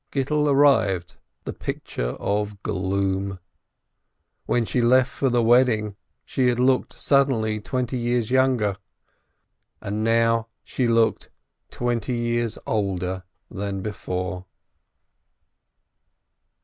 Gittel arrived the picture of gloom. When she left for the wedding, she had looked sud denly twenty years younger, and now she looked twenty years older than before!